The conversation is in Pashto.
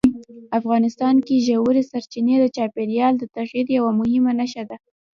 افغانستان کې ژورې سرچینې د چاپېریال د تغیر یوه مهمه نښه ده.